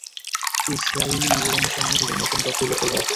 ইসরাঈলী বিবরণসমূহ থেকে আমরা কোন তথ্য উল্লেখ করব না।